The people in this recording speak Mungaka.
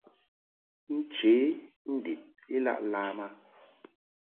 Nche ndib I laʼ lam a.